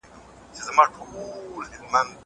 زه اجازه لرم چي امادګي ونيسم!!